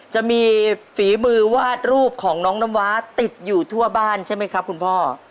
จะมีฝีมือวาดรูปของน้องน้ำว้าติดอยู่ทั่วบ้านใช่ไหมครับคุณพ่อ